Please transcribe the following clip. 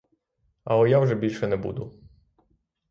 Але я вже більше не буду.